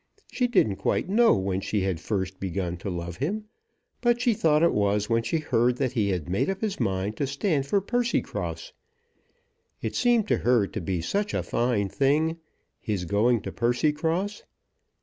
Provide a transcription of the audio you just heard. She didn't quite know when she had first begun to love him, but she thought it was when she heard that he had made up his mind to stand for Percycross. It seemed to her to be such a fine thing, his going to Percycross.